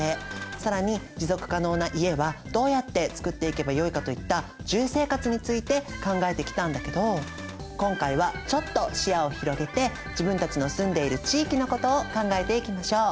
更に持続可能な家はどうやってつくっていけばよいかといった住生活について考えてきたんだけど今回はちょっと視野を広げて自分たちの住んでいる地域のことを考えていきましょう。